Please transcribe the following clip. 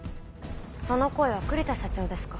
その声は栗田社長ですか。